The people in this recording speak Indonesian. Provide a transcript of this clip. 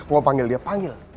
mau panggil dia panggil